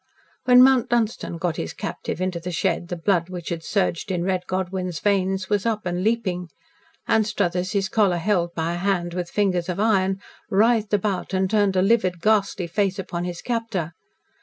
When Mount Dunstan got his captive into the shed the blood which had surged in Red Godwyn's veins was up and leaping. Anstruthers, his collar held by a hand with fingers of iron, writhed about and turned a livid, ghastly face upon his captor.